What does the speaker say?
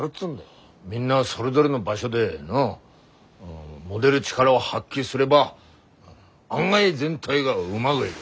みんなそれぞれの場所で持でる力を発揮すれば案外全体がうまぐいぐ。